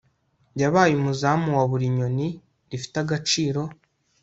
yabaye umuzamu wa buri nyoni rifite agaciro